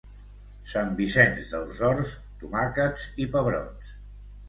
Sant Vicenç dels Horts, tomàquets i pebrots